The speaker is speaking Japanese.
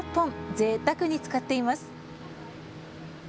ぜいたくに使っています。